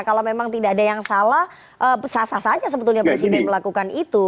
kalau memang tidak ada yang salah sah sah saja sebetulnya presiden melakukan itu